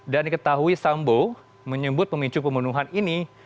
dan diketahui sambo menyebut pemicu pembunuhan ini